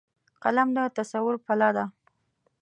قلم د تصور پله ده